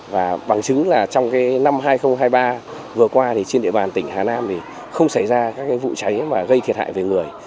và bằng chứng là trong năm hai nghìn hai mươi ba vừa qua thì trên địa bàn tỉnh hà nam thì không xảy ra các vụ cháy mà gây thiệt hại về người